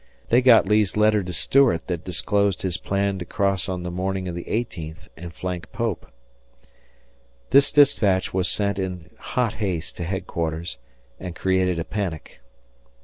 They got Lee's letter to Stuart that disclosed his plan to cross on the morning of the eighteenth and flank Pope. The dispatch was sent in hot haste to headquarters and created a panic.